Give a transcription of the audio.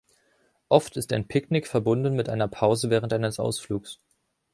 Oft ist ein Picknick verbunden mit einer Pause während eines Ausflugs.